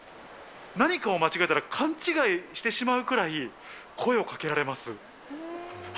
何かを間違えたら勘違いしてしまうぐらい、声をかけられます。